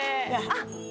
あっ！